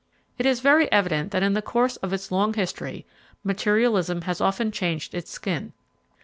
It is very evident that in the course of its long history, materialism has often changed its skin.